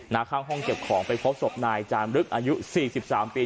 นาคาห้องเก็บของไปพบศพนายจานลึกอายุสี่สิบสามปี